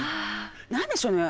何でしょうね